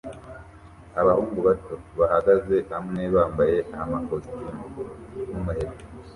Abahungu bato bahagaze hamwe bambaye amakositimu n'umuheto